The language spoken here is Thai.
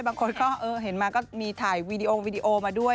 บางคนก็เห็นมาก็มีถ่ายวีดีโอวีดีโอมาด้วย